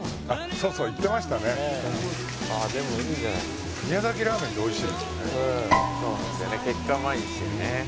そうなんだよね結果うまいんですよね。